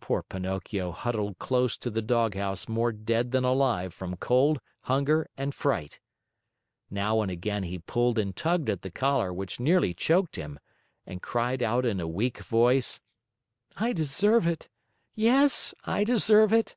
Poor Pinocchio huddled close to the doghouse more dead than alive from cold, hunger, and fright. Now and again he pulled and tugged at the collar which nearly choked him and cried out in a weak voice: "I deserve it! Yes, I deserve it!